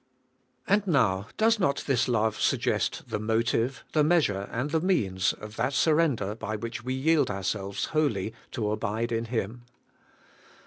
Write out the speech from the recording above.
And now, does not this love suggest the 7notive, the measure, and the means of that surrender by which .we yield ourselves wholly to abide in Him?